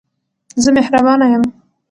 زه مهربانه یم.